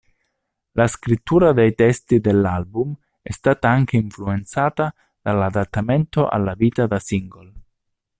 La scrittura dei testi dell'album è stata anche influenzata dall'adattamento alla vita da single.